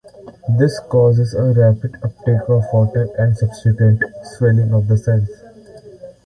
This causes a rapid uptake of water and subsequent swelling of the cells.